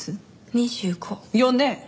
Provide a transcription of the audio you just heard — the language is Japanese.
２５。よね？